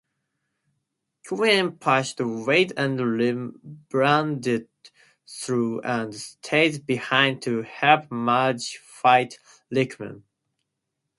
Quinn pushed Wade and Rembrandt through and stays behind to help Maggie fight Rickman.